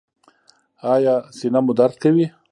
ایا سینه مو درد کوي؟